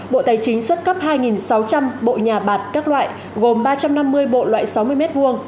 bộ tài chính xuất cấp hai sáu trăm linh bộ nhà bạc các loại gồm ba trăm năm mươi bộ loại sáu mươi m hai